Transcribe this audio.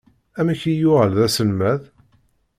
Amek i yuɣal d aselmad?